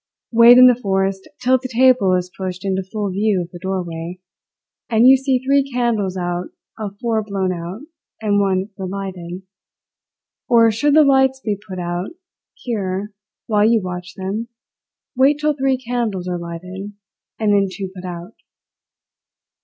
Wait in the forest till the table is pushed into full view of the doorway, and you see three candles out of four blown out and one relighted or, should the lights be put out here while you watch them, wait till three candles are lighted and then two put out.